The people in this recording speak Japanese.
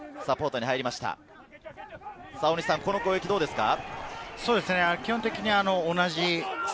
この攻撃、どうですか？